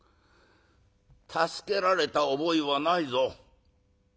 「助けられた覚えはないぞ。